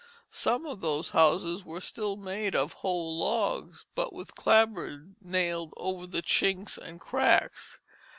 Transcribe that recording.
Some of those houses were still made of whole logs, but with clapboards nailed over the chinks and cracks.